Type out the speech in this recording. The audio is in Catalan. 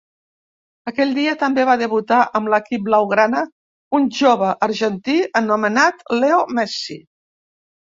Aquell dia també va debutar amb l'equip blaugrana un jove argentí anomenat Leo Messi.